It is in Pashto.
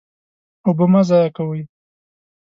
اوبه مه ضایع کوئ.